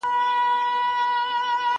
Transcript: زه به سبا قلم استعمالوموم وم!!